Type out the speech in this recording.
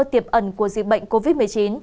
tiệm ẩn của dịch bệnh covid một mươi chín